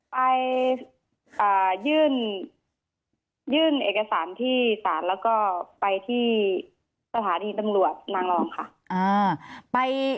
ไปยื่นเอกสารที่ศาลแล้วก็ไปที่สถานีตำรวจนางรองค่ะ